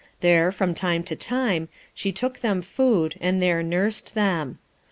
There, from time to time, she took them food, and there nursed them.